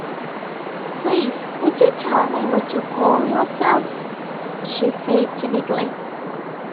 ‘Please, would you tell me what you call yourself?’ she said timidly.